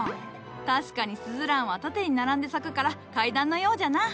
確かにスズランは縦に並んで咲くから階段のようじゃな。